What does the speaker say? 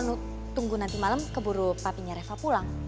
lu tunggu nanti malem keburu papinya reva pulang